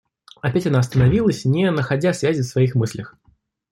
Опять она остановилась, не находя связи в своих мыслях.